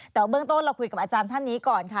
แต่ว่าเบื้องต้นเราคุยกับอาจารย์ท่านนี้ก่อนค่ะ